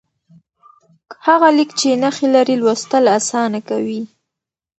هغه لیک چې نښې لري، لوستل اسانه کوي.